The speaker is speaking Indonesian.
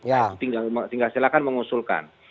ya tinggal silakan mengusulkan